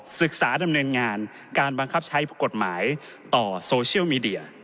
ศึกษาดำเนินงานการบังคับใช้กฎหมายต่อโซเชียลมีเดีย